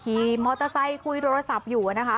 ขี่มอเตอร์ไซค์คุยโทรศัพท์อยู่นะคะ